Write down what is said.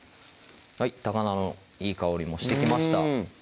高菜のいい香りもしてきました